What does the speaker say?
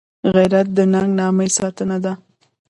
غیرت د نېک نامۍ ساتنه ده